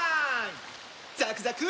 ザクザク！